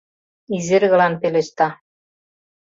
Изергылан пелешта: